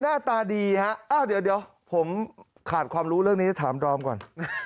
หน้าตาดีฮะอ้าวเดี๋ยวผมขาดความรู้เรื่องนี้ถามดอมก่อน